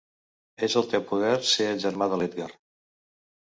És al teu poder ser el germà de l'Edgar!